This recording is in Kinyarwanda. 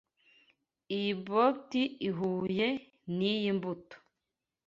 Iyi bolt ihuye niyi mbuto.